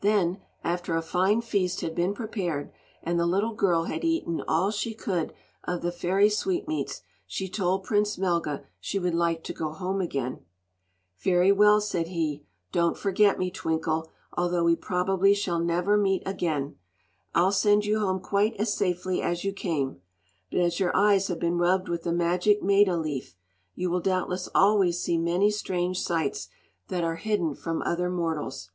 Then, after a fine feast had been prepared, and the little girl had eaten all she could of the fairy sweetmeats, she told Prince Melga she would like to go home again. "Very well," said he. "Don't forget me, Twinkle, although we probably shall never meet again. I'll send you home quite as safely as you came; but as your eyes have been rubbed with the magic maita leaf, you will doubtless always see many strange sights that are hidden from other mortals."